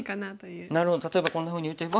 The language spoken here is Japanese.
なるほど例えばこんなふうに打てば。